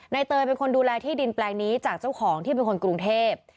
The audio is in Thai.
เตยเป็นคนดูแลที่ดินแปลงนี้จากเจ้าของที่เป็นคนกรุงเทพ